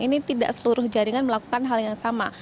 ini tidak seluruh jaringan melakukan hal yang sama